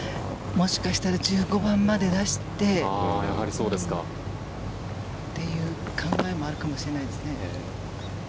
もしかしたら１５番まで出してっていう考えもあるかもしれないですね。